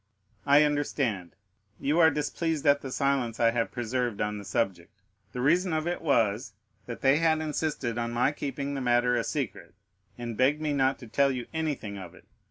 "I understand; you are displeased at the silence I have preserved on the subject. The reason of it was, that they had insisted on my keeping the matter a secret, and begged me not to tell you anything of it.